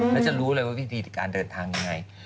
แล้วจะรู้เลยว่าวิธีการเดินทางยังไง